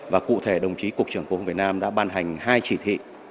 và cụ thể đồng chí cục trưởng cục việt nam đã ban hành hai chỉ thị